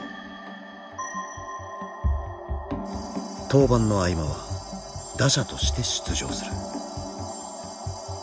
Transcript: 登板の合間は打者として出場する。